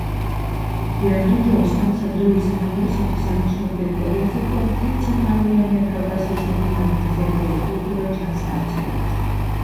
გვიანბრინჯაოს ხანის ადრეული საფეხურისათვის აღნიშნულ ტერიტორიაზე კვლავ მთელი ცენტრალური ამიერკავკასიისათვის დამახასიათებელი კულტურა ჩანს გავრცელებული.